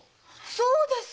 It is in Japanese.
そうです！